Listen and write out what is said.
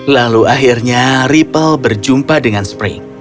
lalu akhirnya ripple berjumpa dengan spring